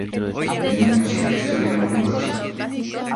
De niños siempre estuvieron juntos.